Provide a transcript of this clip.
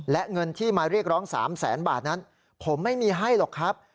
และเงินที่มาเรียกร้อง๓แสนบาทนั้นผมไม่มีให้หรอกครับ